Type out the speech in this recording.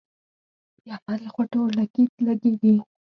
د احمد له خوټو اورلګيت لګېږي.